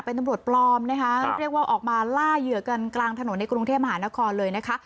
เป็นตำรวจปลอมนะคะเรียกว่าออกมาล่าเหยื่อกันกลางถนนในกรุงเทพมหานครเลยนะคะ